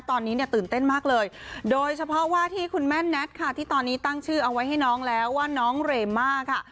ตอนนี้เนี่ยตื่นเต้นมากเลยโดยเฉพาะว่าที่คุณแม่แน็ตค่ะที่ตอนนี้ตั้งชื่อเอาไว้ให้น้องแล้วว่าน้องเรม่าค่ะ